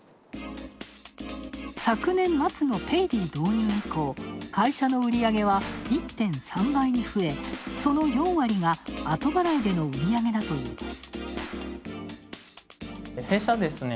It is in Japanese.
昨年末のペイディ導入以降、会社の売り上げは１．３倍に増え、その４割が後払いでの売り上げだといいます。